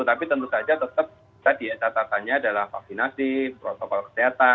tapi tentu saja tetap tadi ya catatannya adalah vaksinasi protokol kesehatan